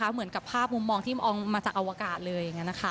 เหมือนกับภาพมุมมองที่มองมาจากอวกาศเลย